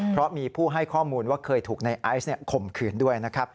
เพราะมีผู้ให้ข้อมูลว่าเคยถูกในไอ้ไอ้สี่ขมขืนด้วย